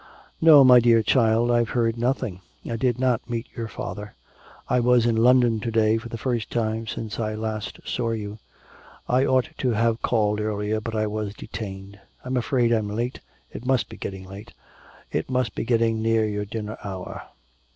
'No, my dear child, I've heard nothing. I did not meet your father. I was in London to day for the first time since I last saw you. I ought to have called earlier, but I was detained.... I'm afraid I'm late, it must be getting late. It must be getting near your dinner hour.'